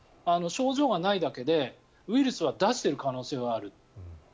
症状がないだけで、ウイルスは出している可能性はある。